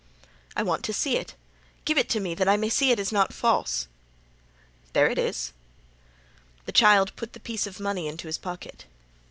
"I want to see it. Give it me, that I may see it is not false." "There it is." The child put the piece of money into his pocket.